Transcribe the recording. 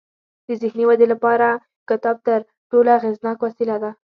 د ذهني ودې لپاره کتاب تر ټولو اغیزناک وسیله ده.